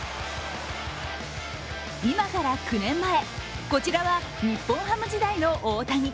今から９年前、こちらは日本ハム時代の大谷。